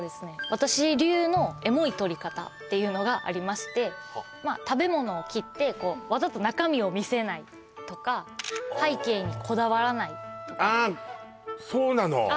私流のエモい撮り方っていうのがありまして食べ物を切ってわざと中身を見せないとか背景にこだわらないとかあっそうなの？